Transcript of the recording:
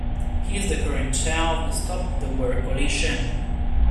He is the current chair of the Stop the War Coalition.